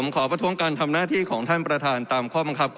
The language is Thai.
ขอวัดทรวงการทำหน้าที่ตามข้อ๙ครับ